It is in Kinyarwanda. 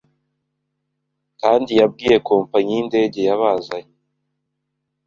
kandi yabwiye kompanyi y'indege yabazanye